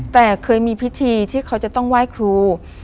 แต่เคยมีพิธีที่เขาจะต้องไหว้ครู